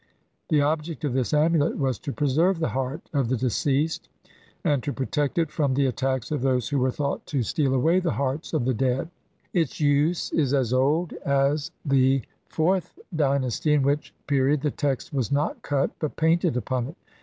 1 The object of this amulet was to preserve the heart of the deceased and to pro tect it from the attacks of those who were thought to steal away the hearts of the dead ; its use is as old as the IV th dynasty, in which period the text was not cut but painted upon it.